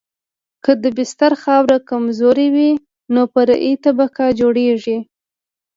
که د بستر خاوره کمزورې وي نو فرعي طبقه جوړیږي